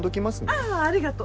ああありがとう。